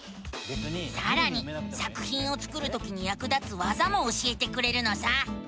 さらに作ひんを作るときにやく立つわざも教えてくれるのさ！